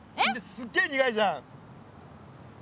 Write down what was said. すっげえ苦いじゃん。